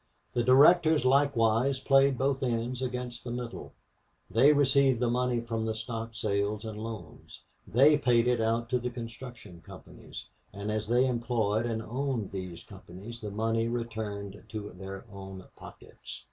The directors likewise played both ends against the middle; they received the money from the stock sales and loans; they paid it out to the construction companies; and as they employed and owned these companies the money returned to their own pockets.